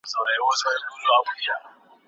هم خوارځواكى هم په ونه ټيټ گردى وو